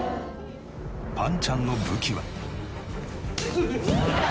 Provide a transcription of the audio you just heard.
ぱんちゃんの武器は。